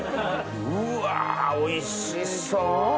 うわおいしそ。